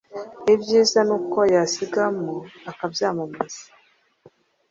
ibyiza nuko yasigamo akabyamamaza,